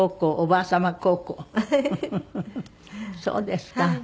そうですか。